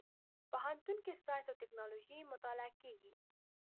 پوهنتون کې ساينس او ټکنالوژي مطالعه کېږي.